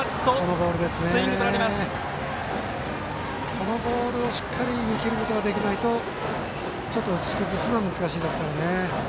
このボールをしっかり見切ることができないとちょっと、打ち崩すのは難しいですね。